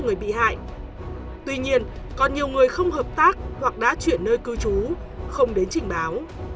người bị hại tuy nhiên còn nhiều người không hợp tác hoặc đã chuyển nơi cư trú không đến trình báo